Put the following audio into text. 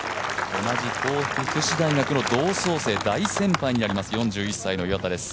同じ東北福祉大学の同窓生、大先輩に当たります４１歳の岩田です。